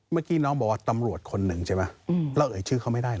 เมื่อกี้น้องบอกว่าตำรวจคนหนึ่งใช่ไหมเราเอ่ยชื่อเขาไม่ได้ห